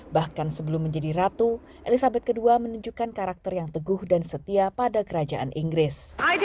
bahkan sebelum menjadi ratu elizabeth ii menunjukkan karakter yang teguh dan setia pada kerajaan inggris